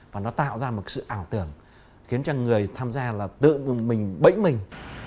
và nó tạo ra một sự ảo tưởng khiến cho người tham gia là tự g mình bẫy mình